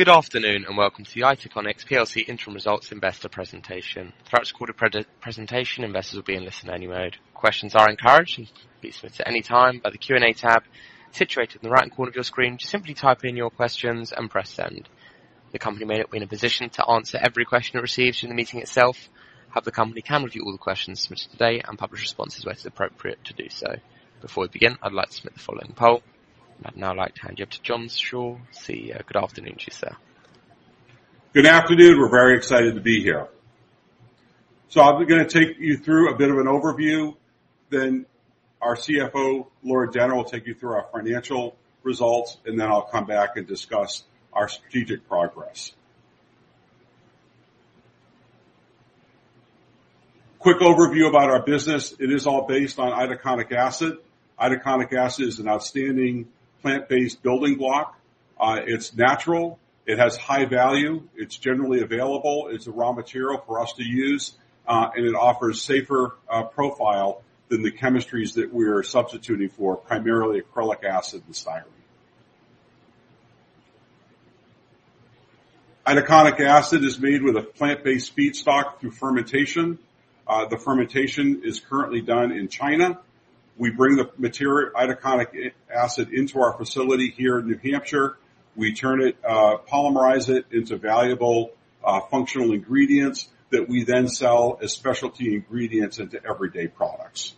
Good afternoon, welcome to the Itaconix plc Interim Results Investor Presentation. Throughout this recorded presentation, investors will be in listen only mode. Questions are encouraged and can be submitted at any time by the Q&A tab situated in the right-hand corner of your screen. Just simply type in your questions and press send. The company may not be in a position to answer every question it receives during the meeting itself, however, the company can review all the questions submitted today and publish responses where it's appropriate to do so. Before we begin, I'd like to submit the following poll. I'd now like to hand you over to John Shaw, CEO. Good afternoon to you, sir. Good afternoon. We're very excited to be here. I'm going to take you through a bit of an overview, then our CFO, Laura Denner, will take you through our financial results, and then I'll come back and discuss our strategic progress. Quick overview about our business. It is all based on itaconic acid. Itaconic acid is an outstanding plant-based building block. It's natural, it has high value, it's generally available, it's a raw material for us to use, and it offers safer profile than the chemistries that we're substituting for primarily acrylic acid and styrene. Itaconic acid is made with a plant-based feedstock through fermentation. The fermentation is currently done in China. We bring the itaconic acid into our facility here in New Hampshire. We polymerize it into valuable functional ingredients that we then sell as specialty ingredients into everyday products.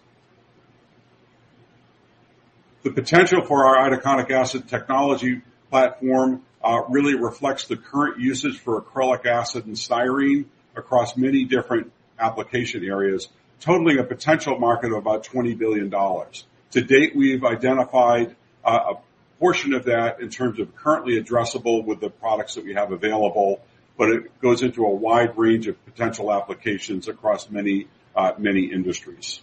The potential for our itaconic acid technology platform really reflects the current usage for acrylic acid and styrene across many different application areas, totaling a potential market of about $20 billion. To date, we've identified a portion of that in terms of currently addressable with the products that we have available, but it goes into a wide range of potential applications across many industries.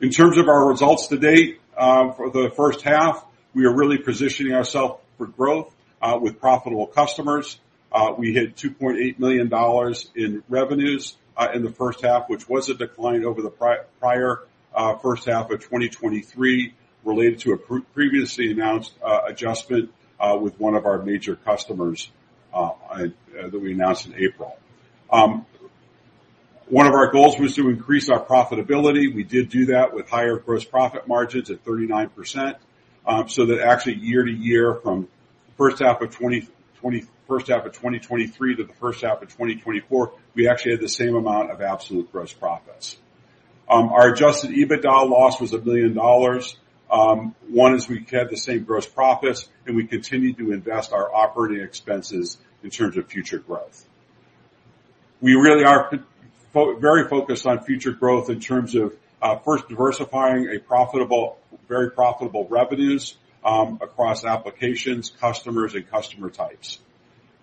In terms of our results to date, for the first half, we are really positioning ourself for growth with profitable customers. We hit $2.8 million in revenues in the first half, which was a decline over the prior first half of 2023 related to a previously announced adjustment with one of our major customers that we announced in April. One of our goals was to increase our profitability. We did do that with higher gross profit margins at 39%. That actually year-to-year from first half of 2023 to the first half of 2024, we actually had the same amount of absolute gross profits. Our adjusted EBITDA loss was $1 million. One is we had the same gross profits and we continued to invest our operating expenses in terms of future growth. We really are very focused on future growth in terms of first diversifying a very profitable revenues across applications, customers, and customer types.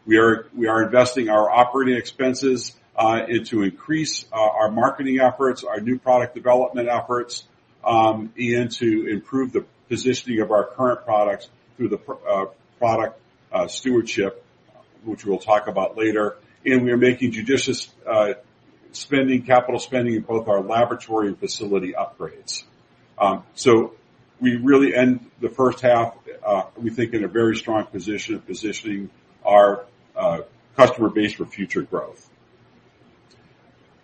We are investing our operating expenses to increase our marketing efforts, our new product development efforts, and to improve the positioning of our current products through the product stewardship, which we'll talk about later. We are making judicious capital spending in both our laboratory and facility upgrades. We really end the first half, we think in a very strong position of positioning our customer base for future growth.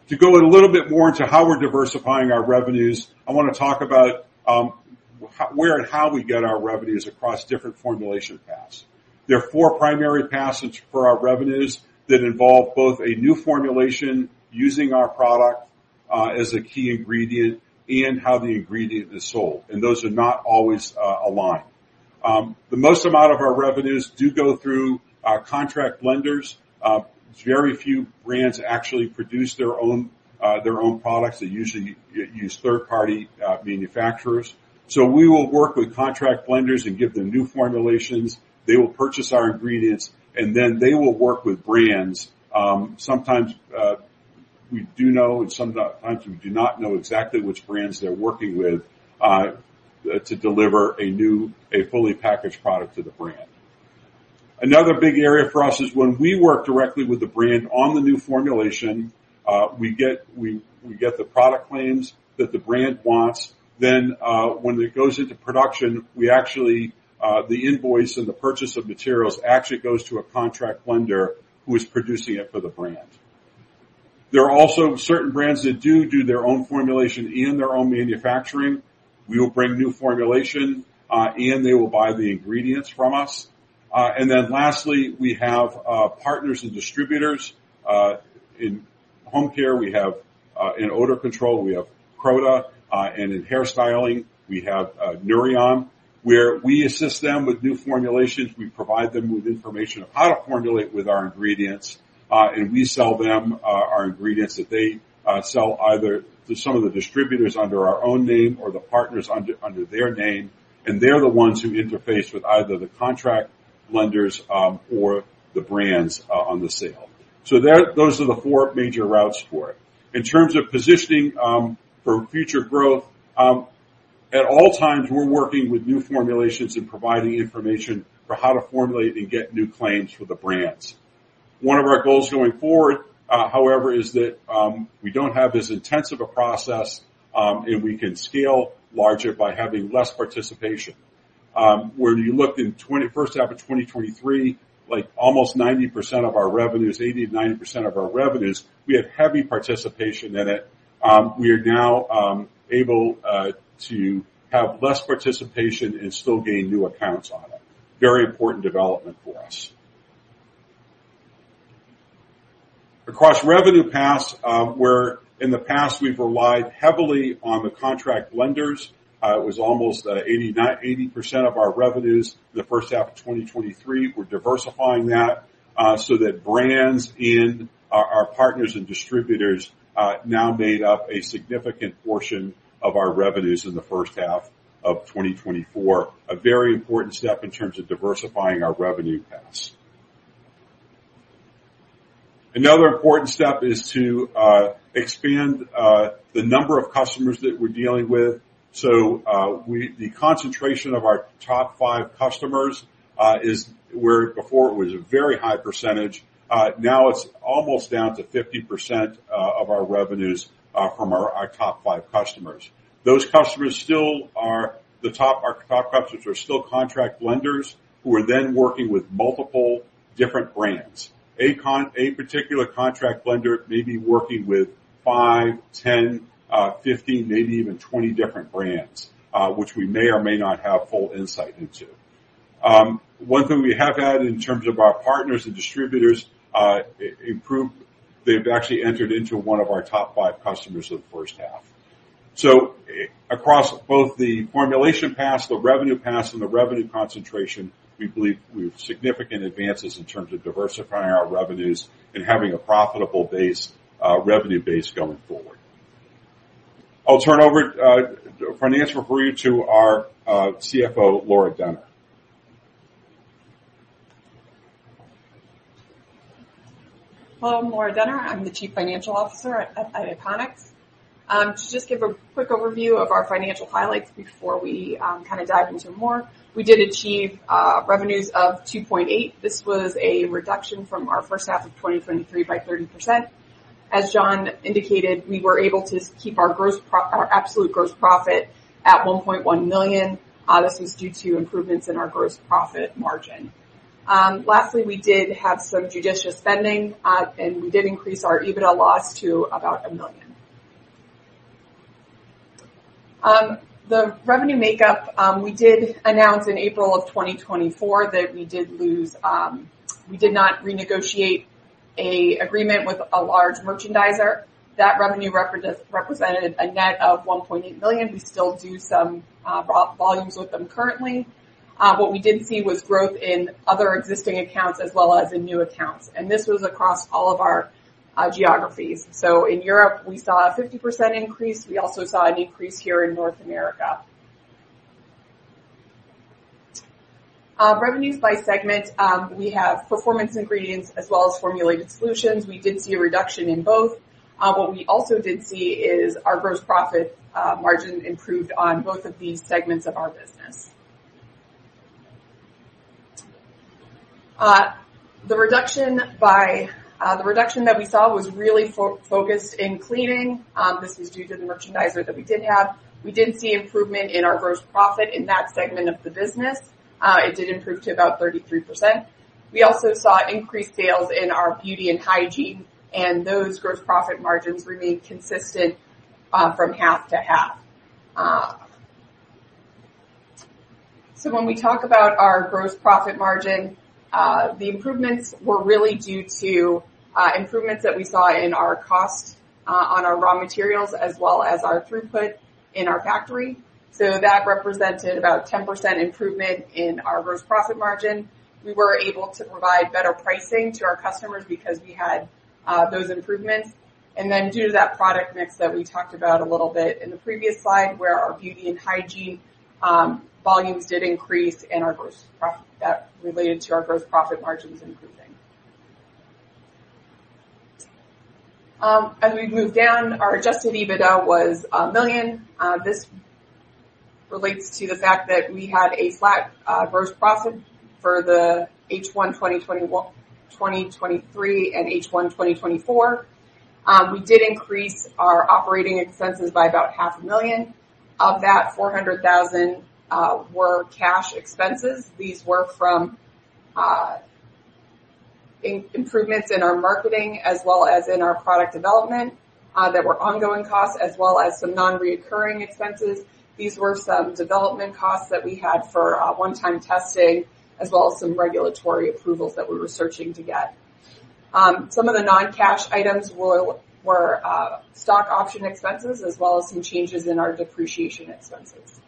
To go in a little bit more into how we're diversifying our revenues, I want to talk about where and how we get our revenues across different formulation paths. There are four primary paths for our revenues that involve both a new formulation using our product as a key ingredient and how the ingredient is sold, and those are not always aligned. The most amount of our revenues do go through contract blenders. Very few brands actually produce their own products. They usually use third-party manufacturers. We will work with contract blenders and give them new formulations. They will purchase our ingredients and then they will work with brands. Sometimes we do know and sometimes we do not know exactly which brands they're working with to deliver a fully packaged product to the brand. Another big area for us is when we work directly with the brand on the new formulation, we get the product claims that the brand wants. When it goes into production, the invoice and the purchase of materials actually goes to a contract blender who is producing it for the brand. There are also certain brands that do their own formulation and their own manufacturing. We will bring new formulation, they will buy the ingredients from us. Lastly, we have partners and distributors. In home care, we have in odor control, we have Croda, and in hairstyling, we have Nouryon, where we assist them with new formulations. We provide them with information of how to formulate with our ingredients, and we sell them our ingredients that they sell either to some of the distributors under our own name or the partners under their name, and they're the ones who interface with either the contract blenders or the brands on the sale. Those are the four major routes for it. In terms of positioning for future growth, at all times we're working with new formulations and providing information for how to formulate and get new claims for the brands. One of our goals going forward, however, is that we don't have as intense of a process, and we can scale larger by having less participation. When you looked in first half of 2023, almost 90% of our revenues, 80%-90% of our revenues, we had heavy participation in it. We are now able to have less participation and still gain new accounts on it. Very important development for us. Across revenue paths, where in the past we've relied heavily on the contract blenders. It was almost 80% of our revenues the first half of 2023. We're diversifying that so that brands and our partners and distributors now made up a significant portion of our revenues in the first half of 2024. A very important step in terms of diversifying our revenue paths. Another important step is to expand the number of customers that we're dealing with. The concentration of our top five customers, where before it was a very high percentage, now it's almost down to 50% of our revenues from our top five customers. Our top customers are still contract blenders who are then working with multiple different brands. A particular contract blender may be working with five, 10, 15, maybe even 20 different brands, which we may or may not have full insight into. One thing we have had in terms of our partners and distributors, improve, they've actually entered into one of our top five customers in the first half. Across both the formulation paths, the revenue paths, and the revenue concentration, we believe we have significant advances in terms of diversifying our revenues and having a profitable base, revenue base going forward. I'll turn over financial review to our CFO, Laura Denner. Hello, I'm Laura Denner. I'm the Chief Financial Officer at Itaconix. To just give a quick overview of our financial highlights before we dive into more. We did achieve revenues of $2.8 million. This was a reduction from our first half of 2023 by 30%. As John indicated, we were able to keep our absolute gross profit at $1.1 million. This was due to improvements in our gross profit margin. Lastly, we did have some judicious spending, and we did increase our EBITDA loss to about $1 million. The revenue makeup, we did announce in April of 2024 that we did not renegotiate a agreement with a large merchandiser. That revenue represented a net of $1.8 million. We still do some volumes with them currently. What we did see was growth in other existing accounts as well as in new accounts, and this was across all of our geographies. In Europe, we saw a 50% increase. We also saw an increase here in North America. Revenues by segment. We have Performance Ingredients as well as Formulated Solutions. We did see a reduction in both. What we also did see is our gross profit margin improved on both of these segments of our business. The reduction that we saw was really focused in cleaning. This is due to the merchandiser that we did have. We did see improvement in our gross profit in that segment of the business. It did improve to about 33%. We also saw increased sales in our beauty and hygiene, and those gross profit margins remained consistent from half to half. When we talk about our gross profit margin, the improvements were really due to improvements that we saw in our cost on our raw materials as well as our throughput in our factory. That represented about 10% improvement in our gross profit margin. We were able to provide better pricing to our customers because we had those improvements. Due to that product mix that we talked about a little bit in the previous slide, where our beauty and hygiene volumes did increase and that related to our gross profit margins improving. We move down, our adjusted EBITDA was $1 million. This relates to the fact that we had a flat gross profit for the H1 2023 and H1 2024. We did increase our operating expenses by about $500,000. Of that $400,000, were cash expenses. These were from improvements in our marketing as well as in our product development, that were ongoing costs as well as some non-reoccurring expenses. These were some development costs that we had for one-time testing as well as some regulatory approvals that we were searching to get. Some of the non-cash items were stock option expenses as well as some changes in our depreciation expenses.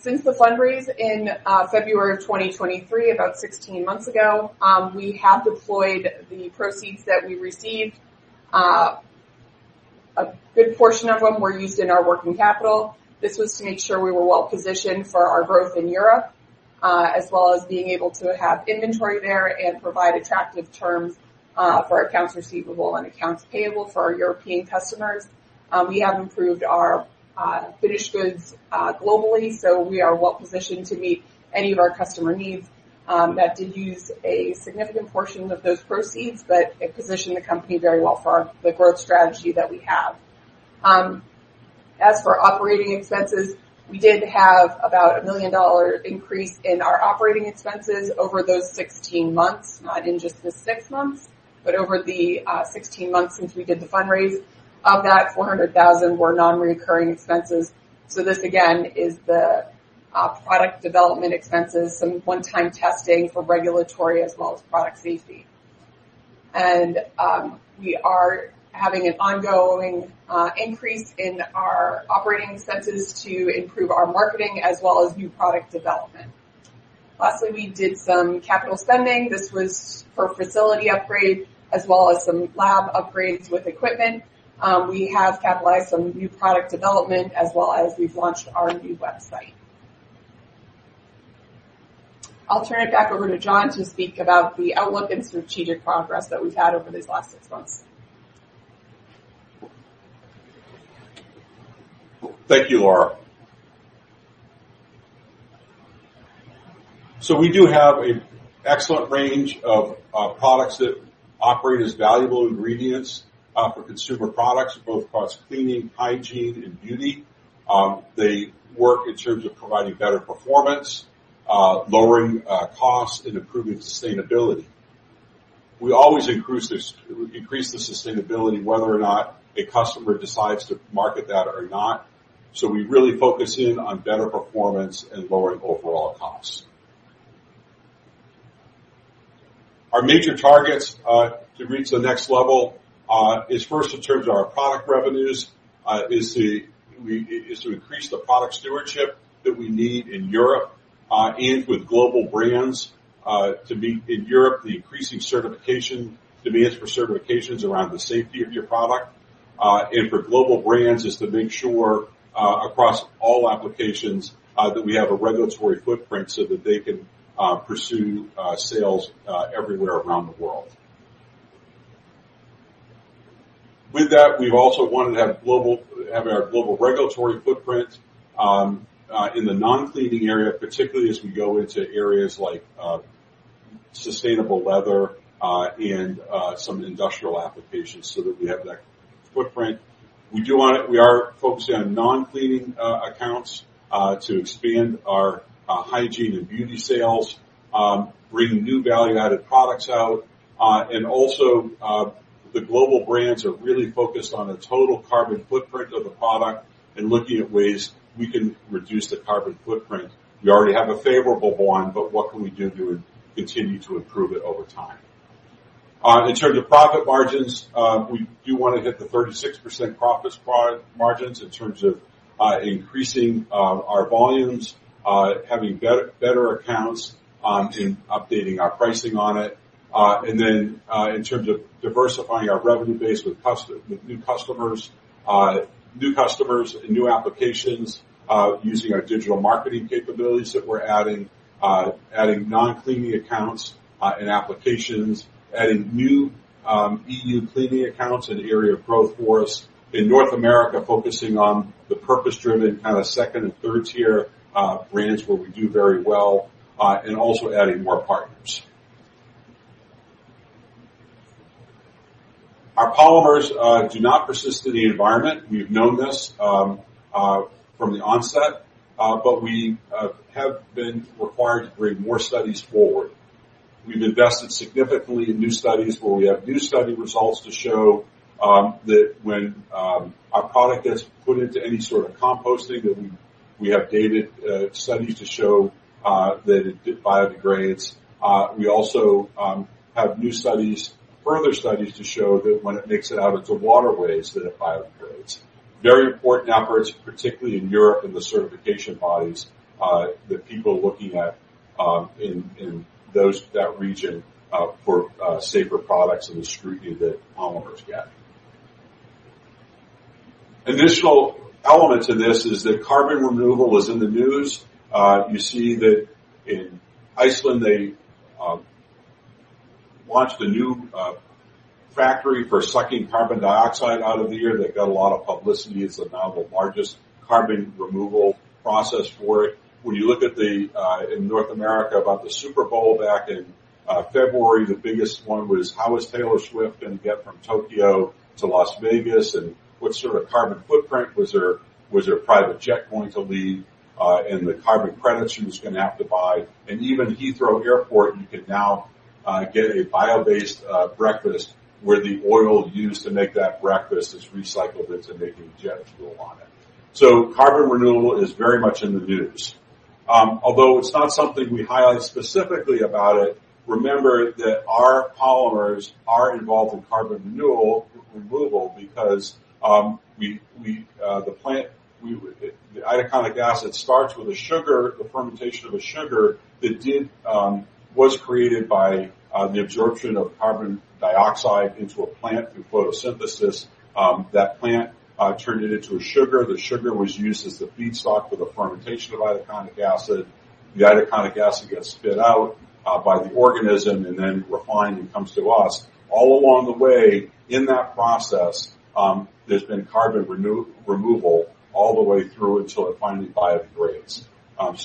Since the fundraise in February of 2023, about 16 months ago, we have deployed the proceeds that we received. A good portion of them were used in our working capital. This was to make sure we were well-positioned for our growth in Europe, as well as being able to have inventory there and provide attractive terms for accounts receivable and accounts payable for our European customers. We have improved our finished goods globally, so we are well-positioned to meet any of our customer needs. That did use a significant portion of those proceeds, but it positioned the company very well for the growth strategy that we have. As for operating expenses, we did have about a $1 million increase in our operating expenses over those 16 months. Not in just the six months, but over the 16 months since we did the fundraise. Of that, $400,000 were non-recurring expenses. This, again, is the product development expenses, some one-time testing for regulatory as well as product safety. We are having an ongoing increase in our operating expenses to improve our marketing as well as new product development. Lastly, we did some capital spending. This was for facility upgrade as well as some lab upgrades with equipment. We have capitalized some new product development, as well as we've launched our new website. I'll turn it back over to John to speak about the outlook and strategic progress that we've had over these last six months. Thank you, Laura. We do have an excellent range of products that operate as valuable ingredients for consumer products, across cleaning, hygiene, and beauty. They work in terms of providing better performance, lowering costs, and improving sustainability. We always increase the sustainability, whether or not a customer decides to market that or not. We really focus in on better performance and lowering overall costs. Our major targets to reach the next level is first in terms of our product revenues, is to increase the product stewardship that we need in Europe and with global brands. To meet in Europe the increasing demands for certifications around the safety of your product. For global brands is to make sure, across all applications, that we have a regulatory footprint so that they can pursue sales everywhere around the world. With that, we've also wanted to have our global regulatory footprint in the non-cleaning area, particularly as we go into areas like sustainable leather and some industrial applications so that we have that footprint. We are focusing on non-cleaning accounts to expand our hygiene and beauty sales, bring new value-added products out. Also, the global brands are really focused on the total carbon footprint of the product and looking at ways we can reduce the carbon footprint. We already have a favorable one, but what can we do to continue to improve it over time? In terms of profit margins, we do want to hit the 36% profit margins in terms of increasing our volumes, having better accounts, and updating our pricing on it. In terms of diversifying our revenue base with new customers and new applications, using our digital marketing capabilities that we're adding non-cleaning accounts and applications. Adding new EU cleaning accounts, an area of growth for us. In North America, focusing on the purpose-driven kind of second and third-tier brands where we do very well, and also adding more partners. Our polymers do not persist in the environment. We've known this from the onset, but we have been required to bring more studies forward. We've invested significantly in new studies where we have new study results to show that when our product gets put into any sort of composting, that we have data studies to show that it biodegrades. We also have new studies, further studies, to show that when it makes it out into waterways, that it biodegrades. Very important efforts, particularly in Europe and the certification bodies that people are looking at in that region for safer products and the scrutiny that polymers get. Additional element to this is that carbon removal is in the news. You see that in Iceland, they launched a new factory for sucking carbon dioxide out of the air. That got a lot of publicity as the now the largest carbon removal process for it. When you look at in North America about the Super Bowl back in February, the biggest one was how was Taylor Swift going to get from Tokyo to Las Vegas, and what sort of carbon footprint. Was there a private jet going to leave, and the carbon credits she was going to have to buy? Even Heathrow Airport, you can now get a bio-based breakfast where the oil used to make that breakfast is recycled into making jet fuel on it. Carbon removal is very much in the news. Although it's not something we highlight specifically about it, remember that our polymers are involved in carbon removal because the itaconic acid starts with a sugar, the fermentation of a sugar, that was created by the absorption of carbon dioxide into a plant through photosynthesis. That plant turned it into a sugar. The sugar was used as the feedstock for the fermentation of itaconic acid. The itaconic acid gets spit out by the organism and then refined and comes to us. All along the way in that process, there's been carbon removal all the way through until it finally biodegrades.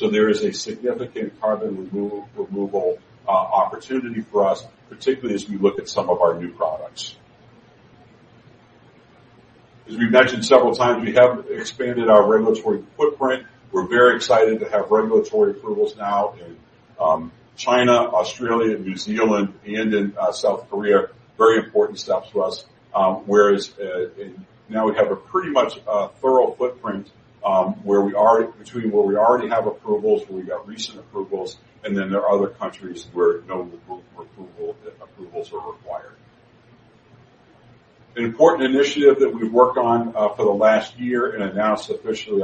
There is a significant carbon removal opportunity for us, particularly as we look at some of our new products. As we've mentioned several times, we have expanded our regulatory footprint. We're very excited to have regulatory approvals now in China, Australia, New Zealand, and in South Korea. Very important steps for us. Now we have a pretty much thorough footprint between where we already have approvals, where we got recent approvals, and then there are other countries where no approvals are required. An important initiative that we've worked on for the last year and announced officially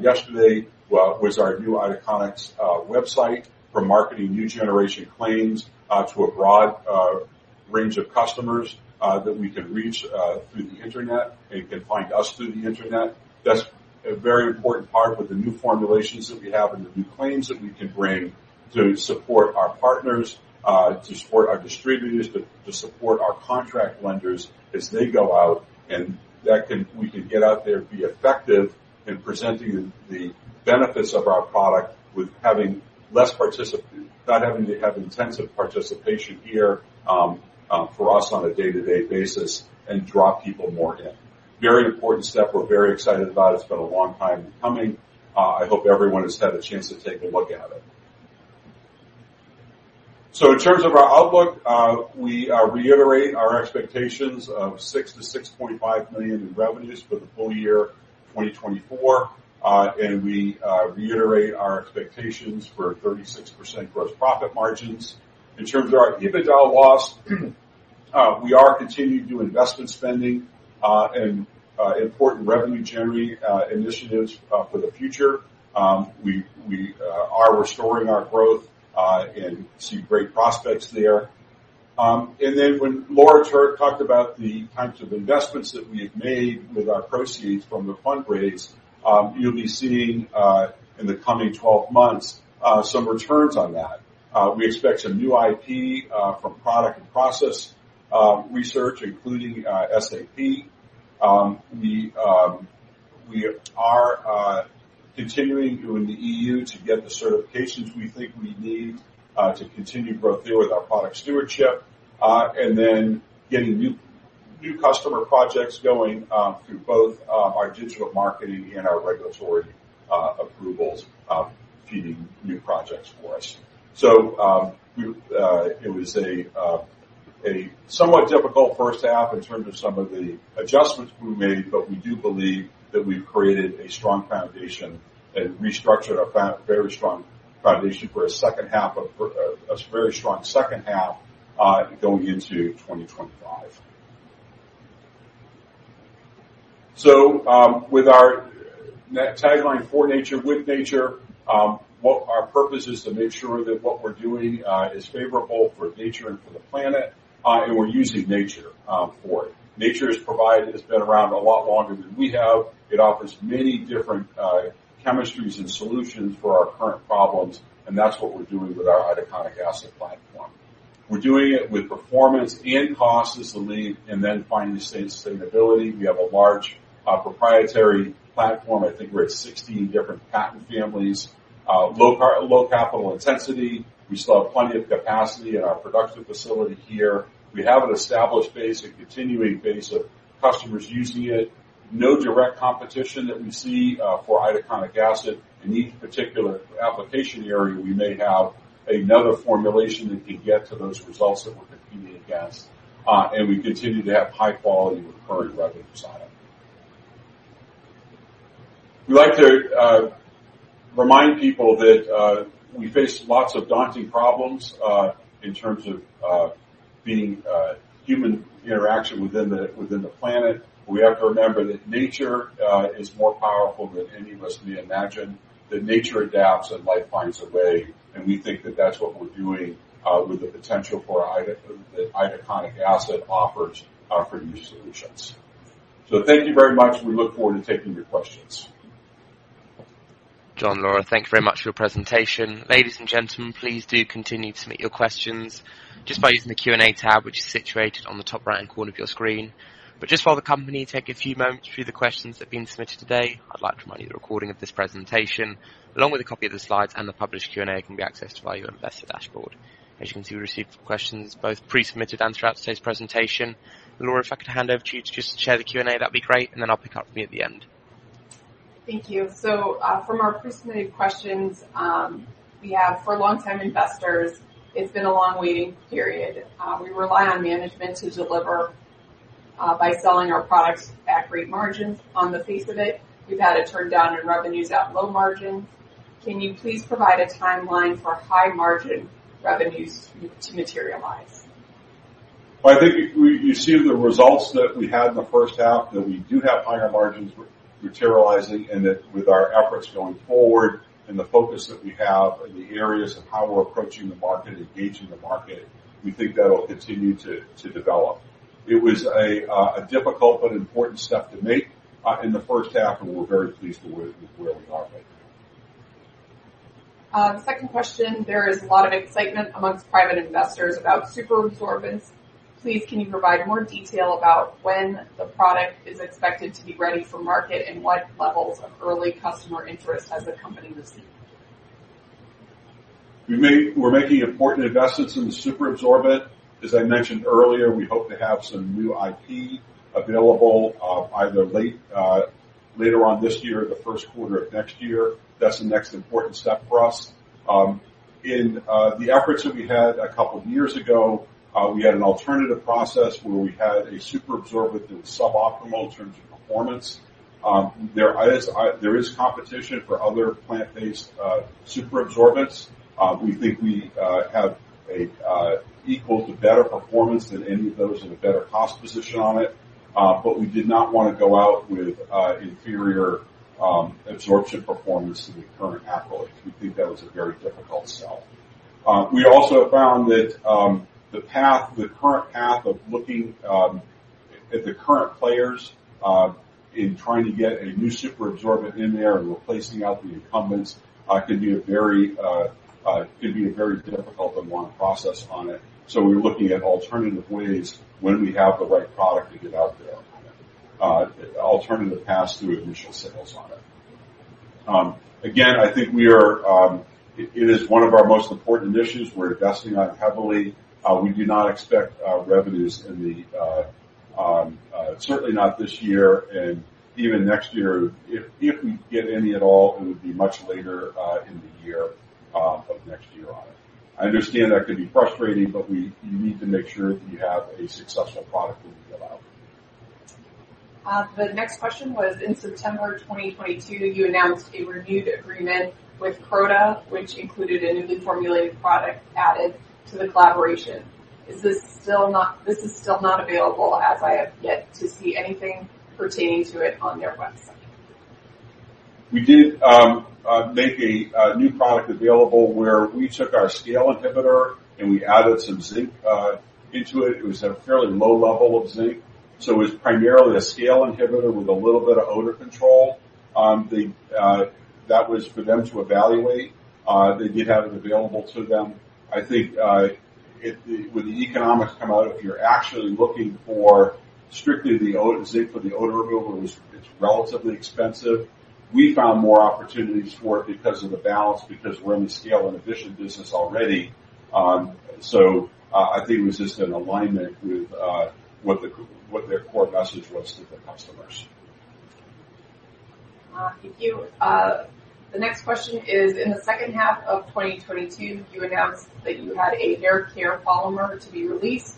yesterday was our new Itaconix website for marketing new generation claims to a broad range of customers that we can reach through the internet and can find us through the internet. That's a very important part with the new formulations that we have and the new claims that we can bring to support our partners, to support our distributors, to support our contract blenders as they go out. We can get out there, be effective in presenting the benefits of our product with not having to have intensive participation here, for us on a day-to-day basis and draw people more in. Very important step we're very excited about. It's been a long time coming. I hope everyone has had a chance to take a look at it. In terms of our outlook, we reiterate our expectations of $6 million-$6.5 million in revenues for the full year 2024. We reiterate our expectations for 36% gross profit margins. In terms of our EBITDA loss, we are continuing to do investment spending, important revenue-generating initiatives for the future. We are restoring our growth and see great prospects there. When Laura talked about the kinds of investments that we have made with our proceeds from the fund raise, you'll be seeing, in the coming 12 months, some returns on that. We expect some new IP, from product and process research, including SAP. We are continuing going to EU to get the certifications we think we need to continue growth there with our product stewardship. Getting new customer projects going through both our digital marketing and our regulatory approvals, feeding new projects for us. It was a somewhat difficult first half in terms of some of the adjustments we made, but we do believe that we've created a strong foundation and restructured a very strong foundation for a very strong second half going into 2025. With our tagline, "For Nature with Nature," our purpose is to make sure that what we're doing is favorable for nature and for the planet, and we're using nature for it. Nature has been around a lot longer than we have. It offers many different chemistries and solutions for our current problems, and that's what we're doing with our itaconic acid platform. We're doing it with performance and cost as the lead, and then finally sustainability. We have a large proprietary platform. I think we're at 16 different patent families. Low capital intensity. We still have plenty of capacity in our production facility here. We have an established base, a continuing base of customers using it. No direct competition that we see for itaconic acid. In each particular application area, we may have another formulation that can get to those results that we're competing against. We continue to have high quality with recurring revenue sign-up. We like to remind people that we face lots of daunting problems in terms of being human interaction within the planet. We have to remember that nature is more powerful than any of us may imagine, that nature adapts and life finds a way. We think that that's what we're doing, with the potential that itaconic acid offers for new solutions. Thank you very much. We look forward to taking your questions. John, Laura, thank you very much for your presentation. Ladies and gentlemen, please do continue to submit your questions just by using the Q&A tab, which is situated on the top right-hand corner of your screen. Just while the company take a few moments to view the questions that have been submitted today, I'd like to remind you the recording of this presentation, along with a copy of the slides and the published Q&A, can be accessed via your investor dashboard. As you can see, we received questions both pre-submitted and throughout today's presentation. Laura, if I could hand over to you to just chair the Q&A, that'd be great. Then I'll pick up for you at the end. Thank you. From our pre-submitted questions, we have for longtime investors, it's been a long waiting period. We rely on management to deliver, by selling our products at great margins. On the face of it, we've had a turndown in revenues at low margins. Can you please provide a timeline for high margin revenues to materialize? Well, I think you see the results that we had in the first half, that we do have higher margins materializing, and that with our efforts going forward and the focus that we have in the areas of how we're approaching the market, engaging the market, we think that'll continue to develop. It was a difficult but important step to make, in the first half, and we're very pleased with where we are right now. Second question. There is a lot of excitement among private investors about superabsorbents. Please, can you provide more detail about when the product is expected to be ready for market and what levels of early customer interest has the company received? We're making important investments in the superabsorbent. As I mentioned earlier, we hope to have some new IP available either later on this year or the first quarter of next year. That's the next important step for us. In the efforts that we had a couple of years ago, we had an alternative process where we had a superabsorbent that was suboptimal in terms of performance. There is competition for other plant-based superabsorbents. We think we have an equal to better performance than any of those in a better cost position on it. We did not want to go out with inferior absorption performance to the current acrylic. We think that was a very difficult sell. We also found that the current path of looking at the current players in trying to get a new superabsorbent in there and replacing out the incumbents could be a very difficult and long process on it. We're looking at alternative ways when we have the right product to get out there on it. Alternative paths to initial sales on it. I think it is one of our most important initiatives we're investing on heavily. We do not expect revenues, certainly not this year, and even next year. If we get any at all, it would be much later in the year of next year on it. I understand that could be frustrating, but we need to make sure that we have a successful product when we get out. The next question was, in September 2022, you announced a renewed agreement with Croda, which included a newly formulated product added to the collaboration. This is still not available as I have yet to see anything pertaining to it on their website. We did make a new product available where we took our scale inhibitor, and we added some zinc into it. It was at a fairly low level of zinc, so it was primarily a scale inhibitor with a little bit of odor control. That was for them to evaluate. They did have it available to them. I think when the economics come out, if you're actually looking for strictly the zinc for the odor removal, it's relatively expensive. We found more opportunities for it because of the balance, because we're in the scale inhibitor business already. I think it was just an alignment with what their core message was to their customers. Thank you. The next question is, in the second half of 2022, you announced that you had a hair care polymer to be released.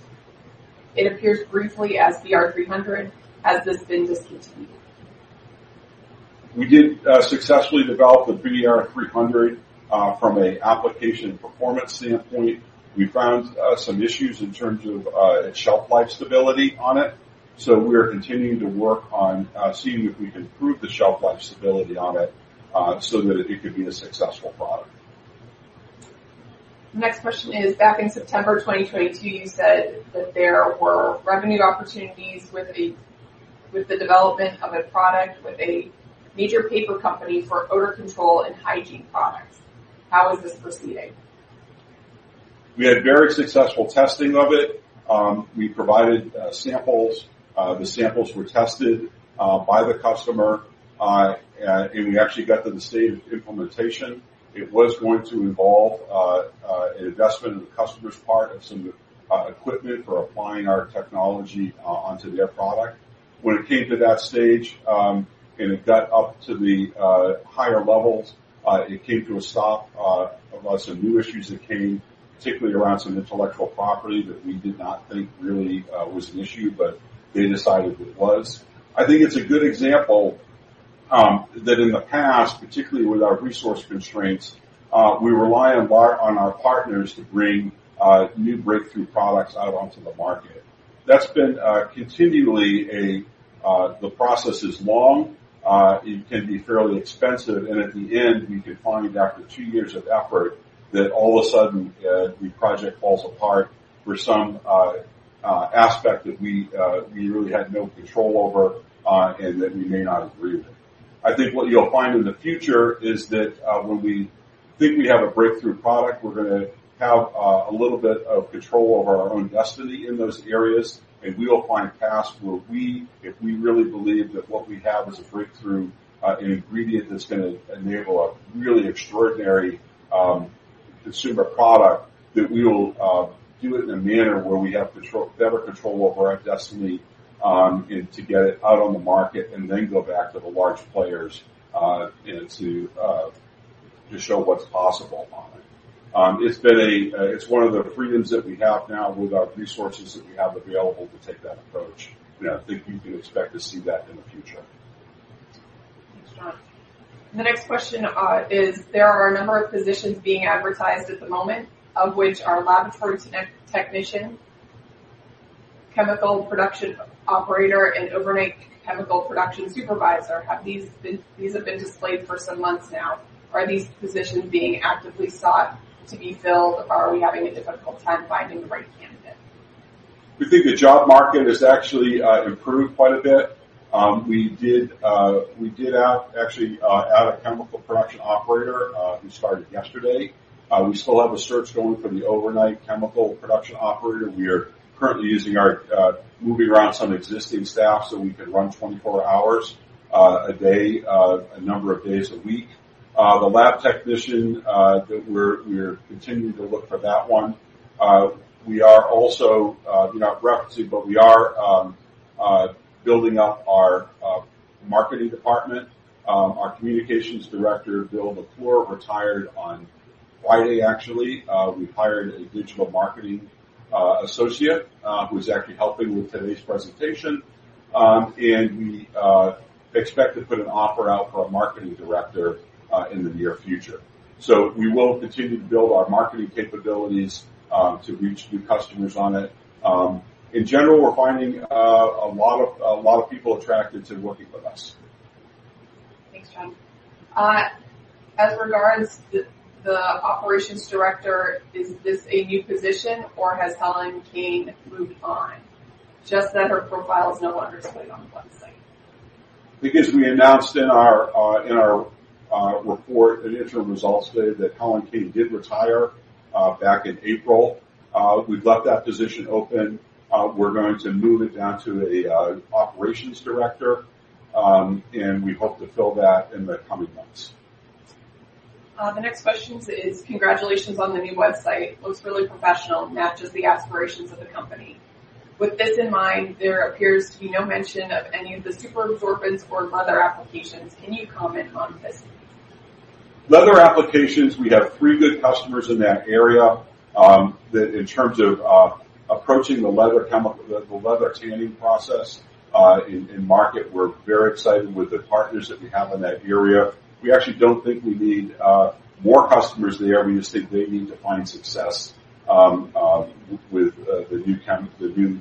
It appears briefly as BR 300. Has this been discontinued? We did successfully develop the BR 300 from an application and performance standpoint. We found some issues in terms of its shelf life stability on it. We're continuing to work on seeing if we can improve the shelf life stability on it so that it could be a successful product. Next question is, back in September 2022, you said that there were revenue opportunities with the development of a product with a major paper company for odor control and hygiene products. How is this proceeding? We had very successful testing of it. We provided samples. The samples were tested by the customer. We actually got to the state of implementation. It was going to involve an investment on the customer's part of some equipment for applying our technology onto their product. When it came to that stage, it got up to the higher levels, it came to a stop of some new issues that came, particularly around some intellectual property that we did not think really was an issue, but they decided it was. I think it's a good example that in the past, particularly with our resource constraints, we rely on our partners to bring new breakthrough products out onto the market. That's been continually the process is long. It can be fairly expensive, and at the end, we can find after two years of effort that all of a sudden, the project falls apart for some aspect that we really had no control over and that we may not agree with. I think what you'll find in the future is that when we think we have a breakthrough product, we're going to have a little bit of control over our own destiny in those areas, and we will find paths where if we really believe that what we have is a breakthrough, an ingredient that's going to enable a really extraordinary consumer product, that we will do it in a manner where we have better control over our destiny to get it out on the market and then go back to the large players to show what's possible on it. It's one of the freedoms that we have now with our resources that we have available to take that approach. I think you can expect to see that in the future. Thanks, John. The next question is, there are a number of positions being advertised at the moment, of which are laboratory technician, chemical production operator, and overnight chemical production supervisor. These have been displayed for some months now. Are these positions being actively sought to be filled, or are we having a difficult time finding the right candidate? We think the job market has actually improved quite a bit. We did actually add a chemical production operator who started yesterday. We still have a search going for the overnight chemical production operator. We are currently moving around some existing staff, so we can run 24 hours a day, a number of days a week. The lab technician, we're continuing to look for that one. We are also not referenced, but we are building up our marketing department. Our Communications Director, Bill McClure, retired on Friday, actually. We hired a digital marketing associate who is actually helping with today's presentation. We expect to put an offer out for a marketing director in the near future. We will continue to build our marketing capabilities to reach new customers on it. In general, we're finding a lot of people attracted to working with us. Thanks, John. As regards the operations director, is this a new position or has Helen Cane moved on? Just that her profile is no longer displayed on the website. We announced in our report and interim results today that Helen Cane did retire back in April. We've left that position open. We're going to move it down to an operations director, and we hope to fill that in the coming months. The next question is, congratulations on the new website. Looks really professional, matches the aspirations of the company. With this in mind, there appears to be no mention of any of the superabsorbents or leather applications. Can you comment on this? Leather applications, we have three good customers in that area. In terms of approaching the leather tanning process in market, we're very excited with the partners that we have in that area. We actually don't think we need more customers there. We just think they need to find success with the new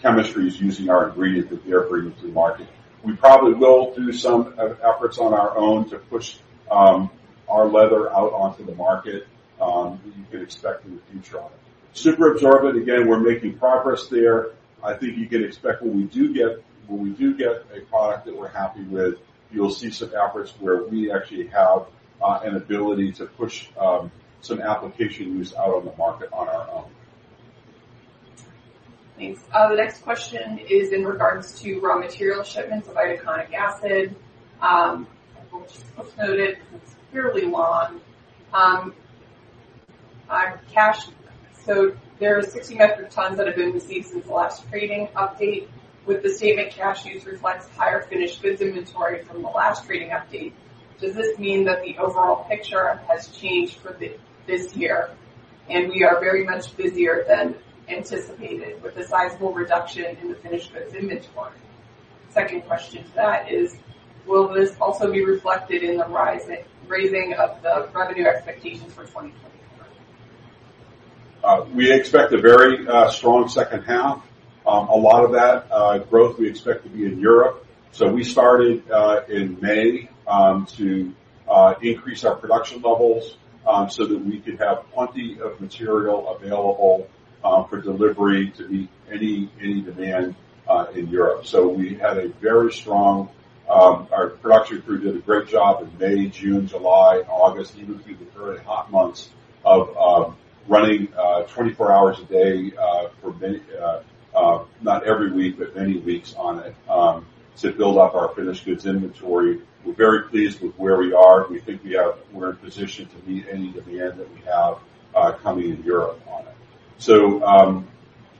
chemistries using our ingredient that they're bringing to market. We probably will do some efforts on our own to push our leather out onto the market that you can expect in the future on it. Superabsorbent, again, we're making progress there. I think you can expect when we do get a product that we're happy with, you'll see some efforts where we actually have an ability to push some application use out on the market on our own. Thanks. The next question is in regards to raw material shipments of itaconic acid. We'll just footnote it because it's fairly long. There are 6,500 tons that have been received since the last trading update with the statement cash use reflects higher finished goods inventory from the last trading update. Does this mean that the overall picture has changed for this year and we are very much busier than anticipated with a sizable reduction in the finished goods inventory? Second question to that is, will this also be reflected in the raising of the revenue expectations for 2024? We expect a very strong second half. A lot of that growth we expect to be in Europe. We started in May to increase our production levels so that we could have plenty of material available for delivery to meet any demand in Europe. Our production crew did a great job in May, June, July, August, even through the very hot months of running 24 hours a day for many, not every week, but many weeks on it, to build up our finished goods inventory. We're very pleased with where we are. We think we're in a position to meet any demand that we have coming in Europe on it.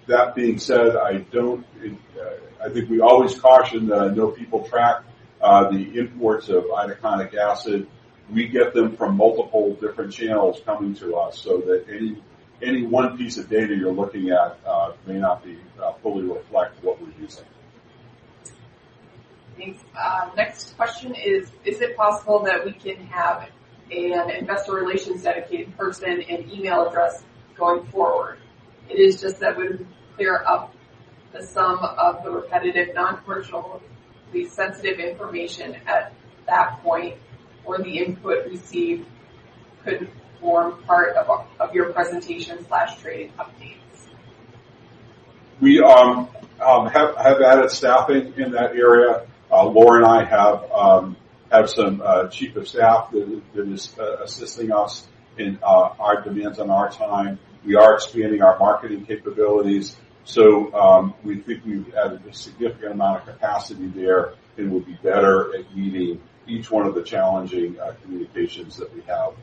That being said, I think we always caution, I know people track the imports of itaconic acid. We get them from multiple different channels coming to us so that any one piece of data you're looking at may not fully reflect what we're using. Thanks. Next question is: Is it possible that we can have an investor relations dedicated person and email address going forward? It is just that would clear up some of the repetitive, non-commercially sensitive information at that point or the input received could form part of your presentation/trading updates. We have added staffing in that area. Laura and I have some chief of staff that is assisting us in our demands on our time. We are expanding our marketing capabilities. We think we've added a significant amount of capacity there and we'll be better at meeting each one of the challenging communications that we have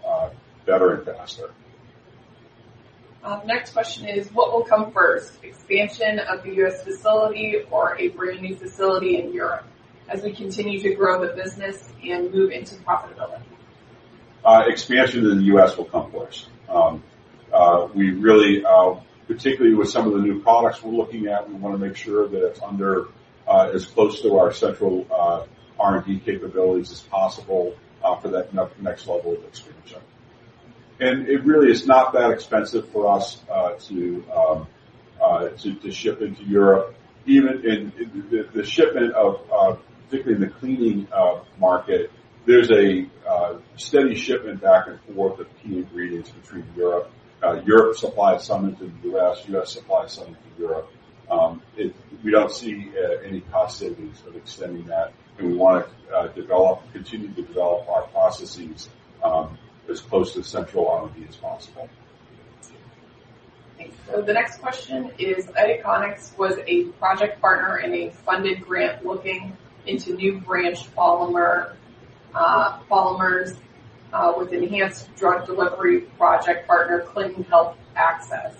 better and faster. Next question is: What will come first, expansion of the U.S. facility or a brand new facility in Europe as we continue to grow the business and move into profitability? Expansion in the U.S. will come first. Particularly with some of the new products we're looking at, we want to make sure that it's under as close to our central R&D capabilities as possible for that next level of expansion. It really is not that expensive for us to ship into Europe. Even in the shipment of, particularly in the cleaning market, there's a steady shipment back and forth of key ingredients between Europe. Europe supplies some into the U.S., U.S. supplies some into Europe. We don't see any cost savings of extending that, and we want to continue to develop our processes as close to central R&D as possible. The next question is: Itaconix was a project partner in a funded grant looking into new branched polymers with enhanced drug delivery project partner, Clinton Health Access.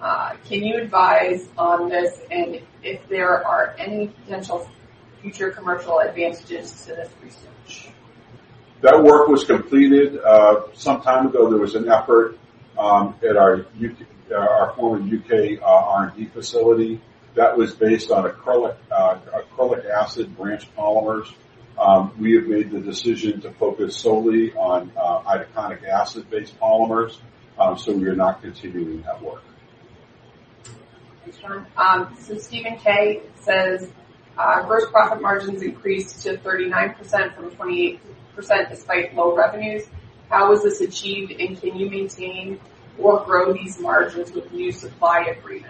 Can you advise on this and if there are any potential future commercial advantages to this research? That work was completed some time ago. There was an effort at our former U.K. R&D facility that was based on acrylic acid branched polymers. We have made the decision to focus solely on itaconic acid-based polymers. We are not continuing that work. Okay. Steven K. says, "Gross profit margins increased to 39% from 28% despite low revenues. How was this achieved, and can you maintain or grow these margins with new supply agreements?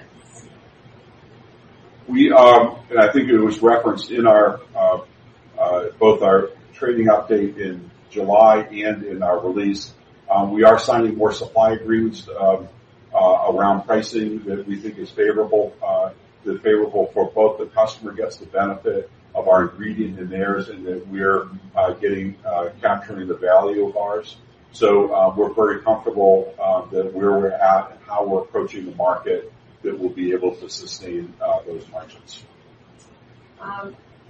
I think it was referenced in both our trading update in July and in our release. We are signing more supply agreements around pricing that we think is favorable for both the customer gets the benefit of our ingredient in theirs and that we're capturing the value of ours. We're very comfortable that where we're at and how we're approaching the market that we'll be able to sustain those margins.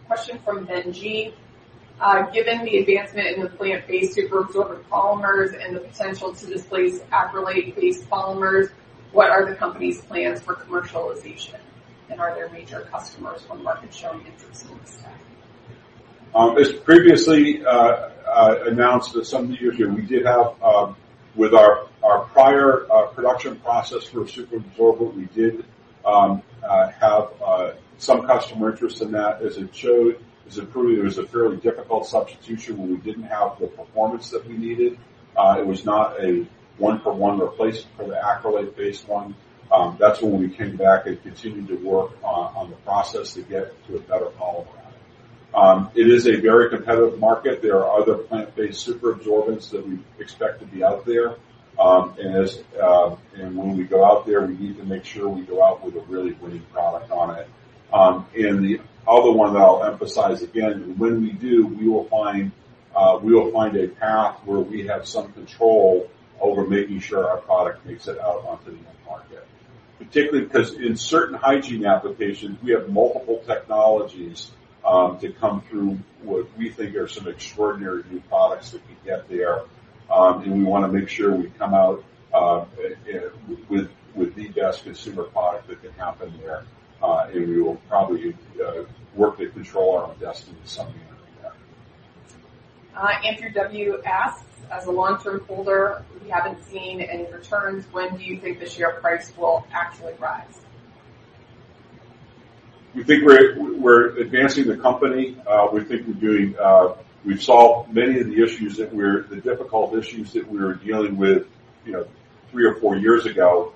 Question from Ben G. "Given the advancement in the plant-based superabsorbent polymers and the potential to displace acrylate-based polymers, what are the company's plans for commercialization? Are there major customers from market showing interest in this tech? As previously announced some years ago, with our prior production process for superabsorbent, we did have some customer interest in that as it proved it was a fairly difficult substitution where we didn't have the performance that we needed. It was not a one-for-one replacement for the acrylate-based one. That's when we came back and continued to work on the process to get to a better polymer on it. It is a very competitive market. There are other plant-based superabsorbents that we expect to be out there. When we go out there, we need to make sure we go out with a really winning product on it. The other one that I'll emphasize, again, when we do, we will find a path where we have some control over making sure our product makes it out onto the end market. Particularly because in certain hygiene applications, we have multiple technologies to come through what we think are some extraordinary new products that we get there. We want to make sure we come out with the best consumer product that can happen there. We will probably work to control our own destiny in some manner like that. As a long-term holder, we haven't seen any returns. When do you think the share price will actually rise? We think we're advancing the company. We think we've solved many of the difficult issues that we were dealing with three or four years ago.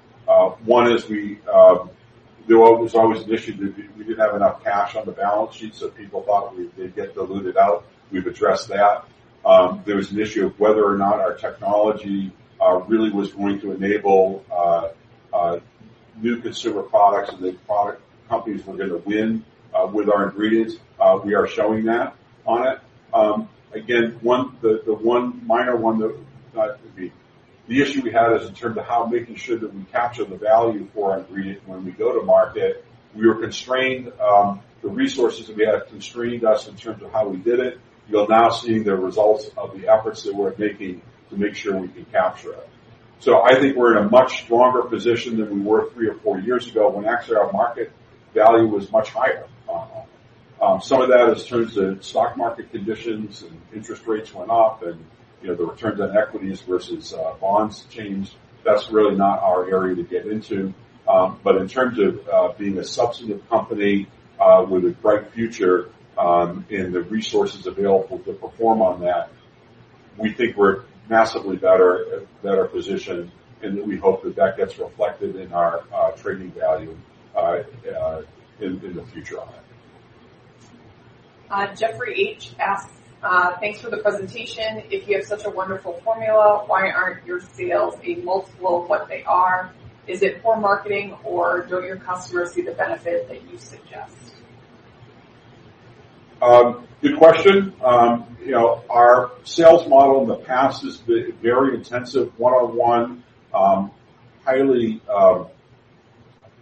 One is there was always an issue that we didn't have enough cash on the balance sheet, so people thought they'd get diluted out. We've addressed that. There was an issue of whether or not our technology really was going to enable new consumer products and the product companies we're going to win with our ingredients. We are showing that on it. Again, the one minor one. The issue we had is in terms of how making sure that we capture the value for our ingredient when we go to market. The resources that we had constrained us in terms of how we did it. You're now seeing the results of the efforts that we're making to make sure we can capture it. I think we're in a much stronger position than we were three or four years ago when actually our market value was much higher on it. Some of that is in terms of stock market conditions and interest rates went up and the return on equities versus bonds changed. That's really not our area to get into. In terms of being a substantive company with a bright future and the resources available to perform on that, we think we're massively better positioned, and we hope that that gets reflected in our trading value in the future on it. Jeffrey H. asks, "Thanks for the presentation. If you have such a wonderful formula, why aren't your sales a multiple of what they are? Is it poor marketing, or don't your customers see the benefit that you suggest? Good question. Our sales model in the past has been very intensive one-on-one. A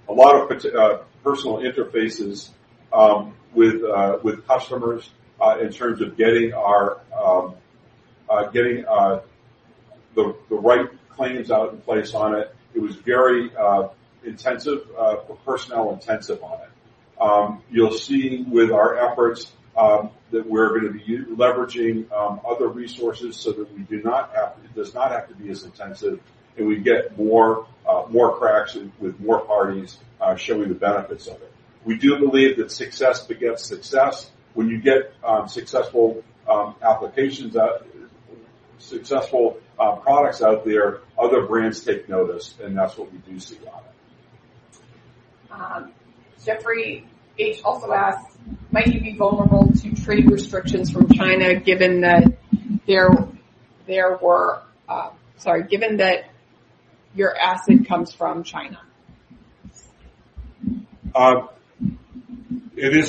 lot of personal interfaces with customers in terms of getting the right claims out in place on it. It was very intensive, personnel intensive on it. You'll see with our efforts that we're going to be leveraging other resources so that it does not have to be as intensive, and we get more traction with more parties showing the benefits of it. We do believe that success begets success. When you get successful products out there, other brands take notice, and that's what we do see on it. Jeffrey H. also asks, "Might you be vulnerable to trade restrictions from China, given that your acid comes from China? There's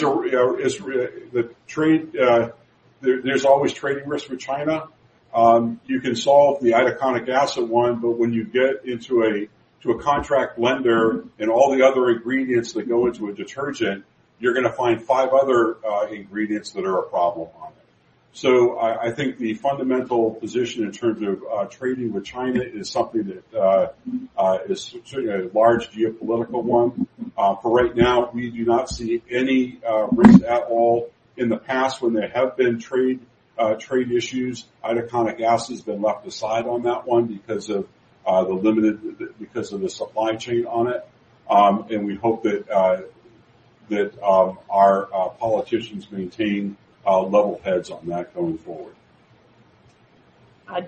always trading risk with China. You can solve the itaconic acid one, but when you get into a contract blenders and all the other ingredients that go into a detergent, you're going to find five other ingredients that are a problem on it. I think the fundamental position in terms of trading with China is something that is a large geopolitical one. For right now, we do not see any risk at all. In the past, when there have been trade issues, itaconic acid has been left aside on that one because of the supply chain on it. We hope that our politicians maintain level heads on that going forward.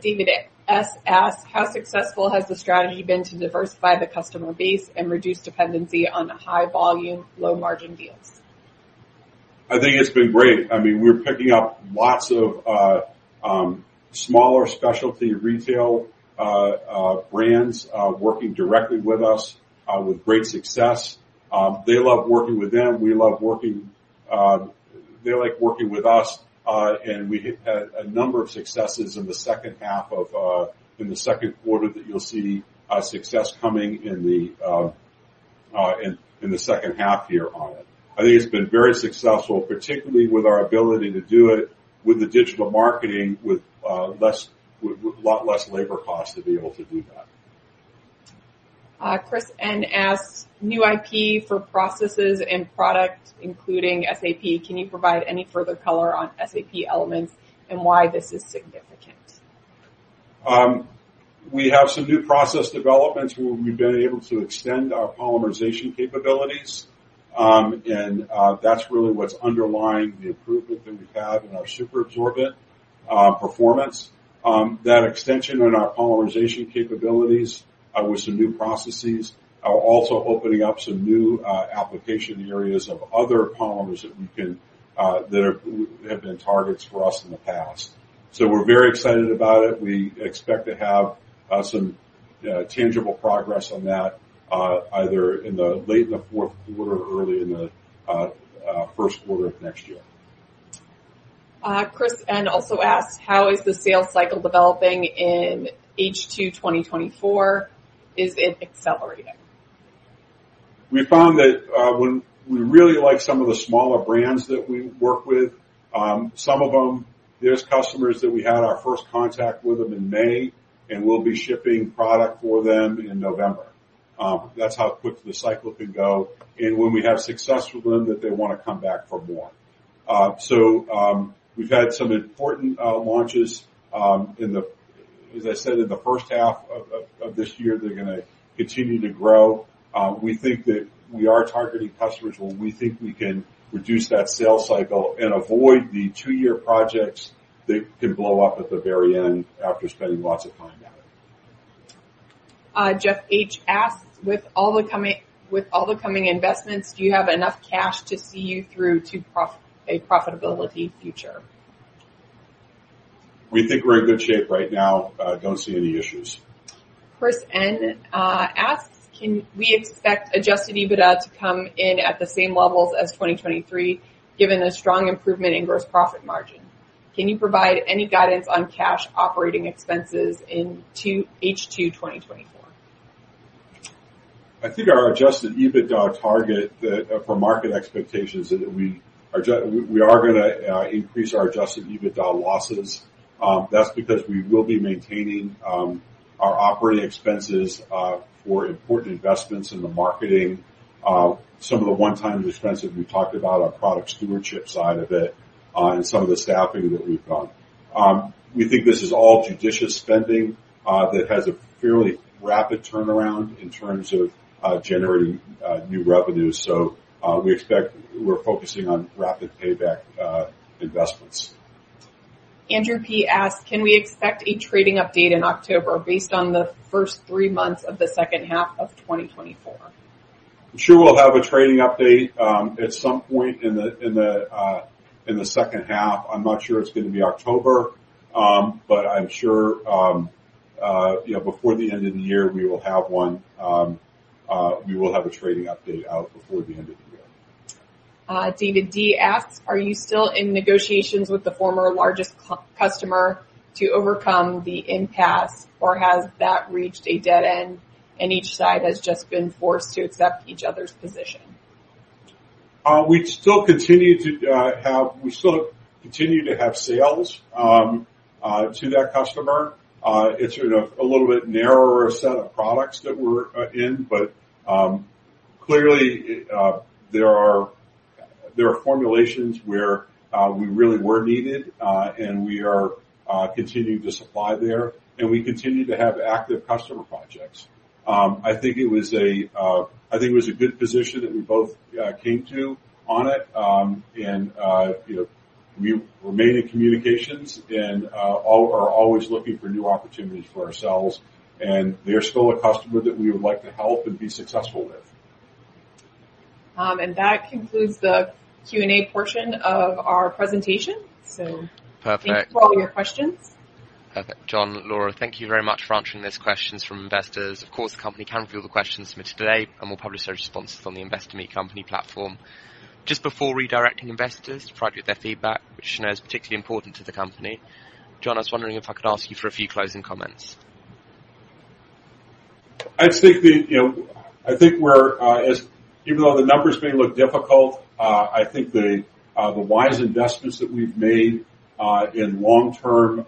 David S. asks, "How successful has the strategy been to diversify the customer base and reduce dependency on the high volume, low margin deals? I think it's been great. We're picking up lots of smaller specialty retail brands working directly with us with great success. They love working with them. They like working with us. We hit a number of successes in the second quarter that you'll see success coming in the second half year on it. I think it's been very successful, particularly with our ability to do it with the digital marketing with a lot less labor cost to be able to do that. Chris N. asks, "New IP for processes and products, including SAP. Can you provide any further color on SAP elements and why this is significant? We have some new process developments where we've been able to extend our polymerization capabilities. That's really what's underlying the improvement that we've had in our superabsorbent performance. That extension in our polymerization capabilities with some new processes are also opening up some new application areas of other polymers that have been targets for us in the past. We're very excited about it. We expect to have some tangible progress on that, either late in the fourth quarter or early in the first quarter of next year. Chris N. Also asks, "How is the sales cycle developing in H2 2024? Is it accelerating? We found that we really like some of the smaller brands that we work with. Some of them, there's customers that we had our first contact with them in May, and we'll be shipping product for them in November. That's how quick the cycle can go. When we have success with them, that they want to come back for more. We've had some important launches, as I said, in the first half of this year. They're going to continue to grow. We think that we are targeting customers where we think we can reduce that sales cycle and avoid the two-year projects that can blow up at the very end after spending lots of time at it. Jeff H. asks, "With all the coming investments, do you have enough cash to see you through to a profitability future? We think we're in good shape right now. Don't see any issues. Chris N. asks, "Can we expect adjusted EBITDA to come in at the same levels as 2023, given the strong improvement in gross profit margin? Can you provide any guidance on cash operating expenses in H2 2024? I think our adjusted EBITDA target for market expectations, that we are going to increase our adjusted EBITDA losses. That's because we will be maintaining our operating expenses for important investments in the marketing. Some of the one-time expenses we've talked about, our product stewardship side of it, and some of the staffing that we've done. We think this is all judicious spending that has a fairly rapid turnaround in terms of generating new revenue. We're focusing on rapid payback investments. Andrew P. asks, "Can we expect a trading update in October based on the first three months of the second half of 2024? I'm sure we'll have a trading update at some point in the second half. I'm not sure it's going to be October, but I'm sure before the end of the year, we will have a trading update out before the end of the year. David D. asks, "Are you still in negotiations with the former largest customer to overcome the impasse, or has that reached a dead end and each side has just been forced to accept each other's position? We still continue to have sales to that customer. It's a little bit narrower set of products that we're in, but clearly there are formulations where we really were needed, and we are continuing to supply there. We continue to have active customer projects. I think it was a good position that we both came to on it. We remain in communications and are always looking for new opportunities for ourselves. They are still a customer that we would like to help and be successful with. That concludes the Q&A portion of our presentation. Perfect. Thank you for all your questions. Perfect. John, Laura, thank you very much for answering those questions from investors. Of course, the company can't view all the questions submitted today, and we'll publish our responses on the Investor Meet Company company platform. Just before redirecting investors to provide you with their feedback, which is particularly important to the company, John, I was wondering if I could ask you for a few closing comments. Even though the numbers may look difficult, I think the wise investments that we've made in long-term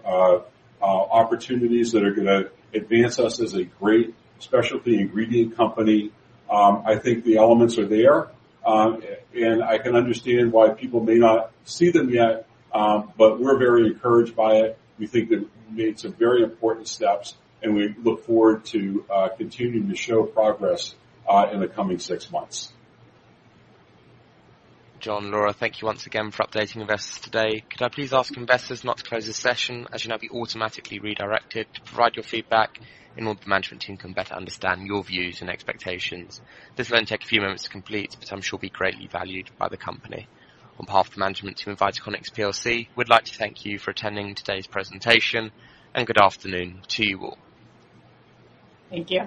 opportunities that are going to advance us as a great specialty ingredient company, I think the elements are there. I can understand why people may not see them yet, but we're very encouraged by it. We think we've made some very important steps, and we look forward to continuing to show progress in the coming six months. John, Laura, thank you once again for updating investors today. Could I please ask investors not to close this session, as you'll now be automatically redirected to provide your feedback in order for management team can better understand your views and expectations. This will only take a few moments to complete, but I'm sure will be greatly valued by the company. On behalf of the management team of Itaconix plc, we'd like to thank you for attending today's presentation and good afternoon to you all. Thank you.